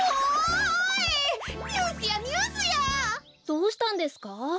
どうしたんですか？